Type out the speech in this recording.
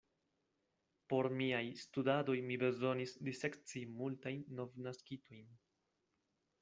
Por miaj studadoj mi bezonis disekci multajn novnaskitojn.